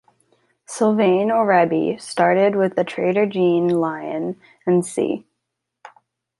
Sylvain Orebi started with the trader Jean Lion & Cie.